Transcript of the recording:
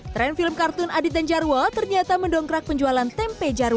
tren film kartun adit dan jarwo ternyata mendongkrak penjualan tempe jarwo